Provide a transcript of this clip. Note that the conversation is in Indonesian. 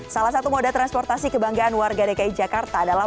salah satu moda transportasi kebanggaan warga dki jakarta adalah